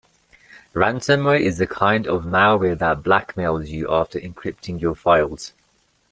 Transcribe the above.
Ransomware is the kind of malware that blackmails you after encrypting your files.